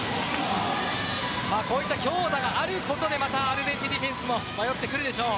こういった強打があることでアルゼンチンディフェンスも迷ってくるでしょう。